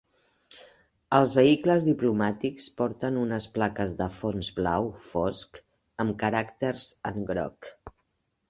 Els vehicles diplomàtics porten unes plaques de fons blau fosc amb caràcters en groc.